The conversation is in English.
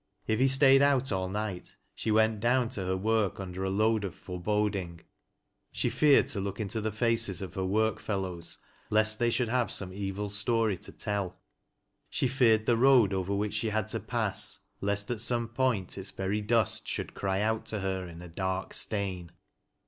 If he staid out all night, she went down to her work under a load of foreboding. She feared to look into the faces of Lei 92 TEAT LASS O LOWBISPB. work fellows, lest they should have some evil stoiy to teU she feared the road over which she had to pass, lest ai some point, its very dnst should cry out to her in a dark stain.